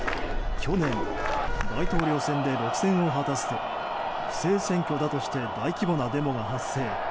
去年、大統領選で６選を果たすと不正選挙だとして大規模なデモが発生。